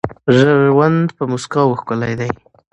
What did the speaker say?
ژوند په مسکاوو ښکلی دي.